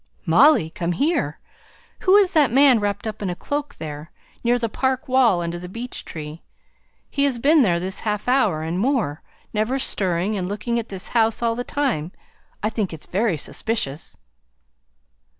"Molly come here! who is that man wrapped up in a cloak, there, near the Park wall, under the beech tree he has been there this half hour and more, never stirring, and looking at this house all the time! I think it's very suspicious."